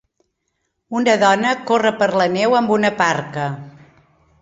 Una dona corre per la neu amb una parca.